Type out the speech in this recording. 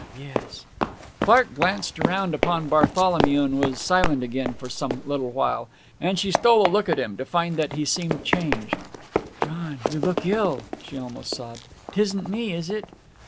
'Yes.' Clark glanced round upon Bartholomew and was silent again, for some little while, and she stole a look at him, to find that he seemed changed. 'John, you look ill!' she almost sobbed. ''Tisn't me, is it?'